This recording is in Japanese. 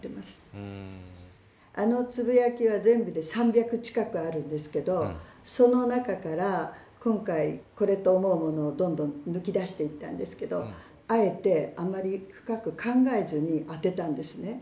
あのつぶやきは全部で３００近くあるんですけどその中から今回これと思うものをどんどん抜き出していったんですけどあえてあまり深く考えずにあてたんですね。